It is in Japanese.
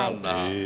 へえ。